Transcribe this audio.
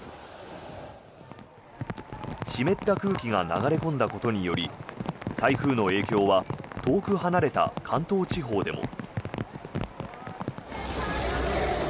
湿った空気が流れ込んだことにより台風の影響は遠く離れた関東地方でも。